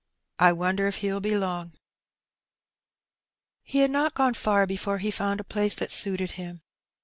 I wonder if He'll be long? )) Adrift. 209 He had not gone far before he found a place that suited him.